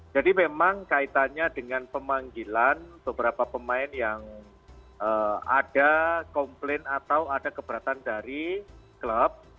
jadi memang kaitannya dengan pemanggilan beberapa pemain yang ada komplain atau ada keberatan dari klub